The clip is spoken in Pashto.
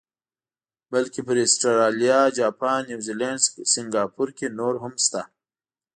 بلکې پر اسټرالیا، جاپان، نیوزیلینډ، سنګاپور کې نور هم شته.